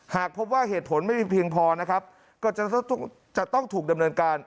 หากพบว่าเหตุผลไม่มีเพียงพอนะครับก็จะต้องถูกดำเนินการ